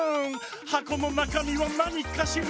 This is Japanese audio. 「はこのなかみはなにかしら？」